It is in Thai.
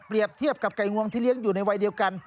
เทียบกับไก่งวงที่เลี้ยงอยู่ในวัยเดียวกัน